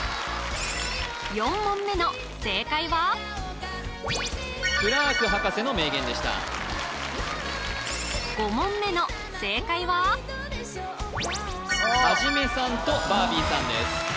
４問目の正解はクラーク博士の名言でした５問目の正解はハジメさんとバービーさんです